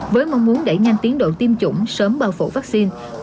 với mong muốn đẩy nhanh tiến độ tiêm chủng sớm bao phủ vaccine